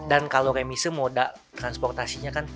dan kalau remise moda transportasinya kan